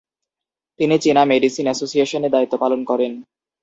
তিনি চীনা medicine association এ দায়িত্ব পালন করেন।